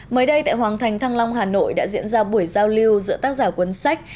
mới đây tại hoàng thành thăng long hà nội đã diễn ra buổi giao lưu giữa tác giả cuốn sách